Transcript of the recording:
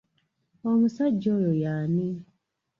Omusajja oyo y'ani?